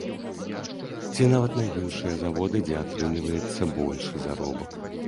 Ці нават на іншыя заводы, дзе атрымліваецца большы заробак.